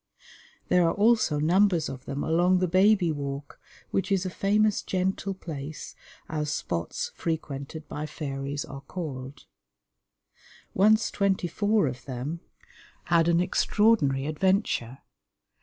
There are also numbers of them along the Baby Walk, which is a famous gentle place, as spots frequented by fairies are called. Once twenty four of them had an extraordinary adventure.